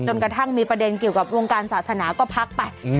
กระทั่งมีประเด็นเกี่ยวกับวงการศาสนาก็พักไป